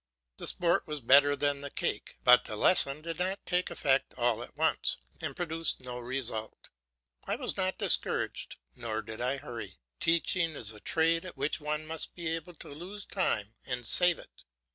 The sport was better than the cake; but the lesson did not take effect all at once, and produced no result. I was not discouraged, nor did I hurry; teaching is a trade at which one must be able to lose time and save it.